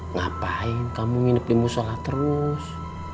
ngapain kamu nginep limu sholat terus